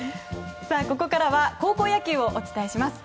ここからは高校野球をお伝えします。